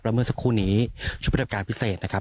เมื่อสักครู่นี้ชุดระดับการพิเศษนะครับ